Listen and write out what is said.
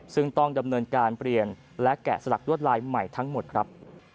ซึ่งต้องดำเนินการเปลี่ยนและแกะสลักลวดลายใหม่ทั้งหมดครับ